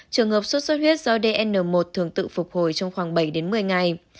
trường hợp suốt suốt huyết do dn một thường tự phục hồi trong khoảng bảy một mươi ngày